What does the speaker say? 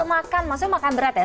maksudnya makan berat ya